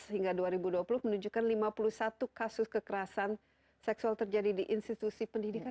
hingga dua ribu dua puluh menunjukkan lima puluh satu kasus kekerasan seksual terjadi di institusi pendidikan